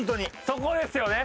そこですよね。